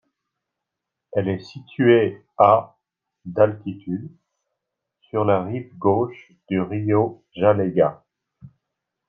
Elle est située à d'altitude, sur la rive gauche du río Jalegua.